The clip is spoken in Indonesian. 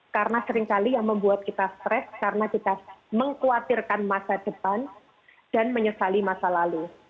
karena seringkali yang membuat kita stres karena kita mengkhawatirkan masa depan dan menyesali masa lalu